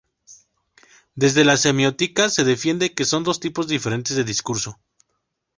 Desde la Semiótica se defiende que son dos tipos diferentes de discurso.